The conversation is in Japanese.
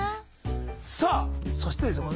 さあそしてですよ